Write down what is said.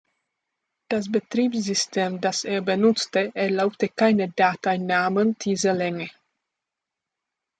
Das Betriebssystem, das er benutzte, erlaubte keine Dateinamen dieser Länge.